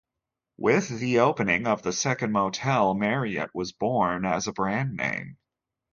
With the opening of the second motel, Marriott was born as a brand name.